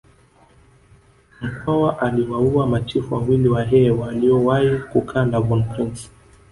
Mkwawa aliwaua machifu wawili wahehe waliowahi kukaa na von Prince